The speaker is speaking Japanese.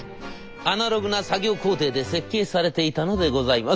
アナログな作業工程で設計されていたのでございます。